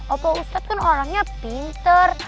opa ustad kan orangnya pinter